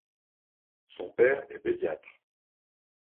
Son père est pédiatre.